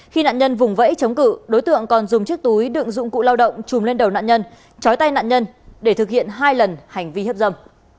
khi nạn nhân vùng vẫy chống cự đối tượng còn dùng chiếc túi đựng dụng cụ lao động chùm lên đầu nạn nhân chói tay nạn nhân để thực hiện hai lần hành vi hiếp dâm